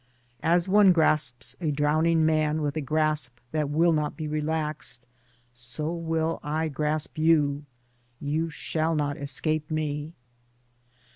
As one grasps a drowning man with a grasp that will not be relaxed, so will I grasp you — you shall not escape me.